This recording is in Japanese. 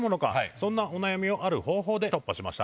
そんなお悩みをある方法で突破しました。